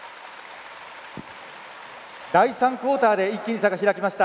第３クオーターで一気に、差が開きました。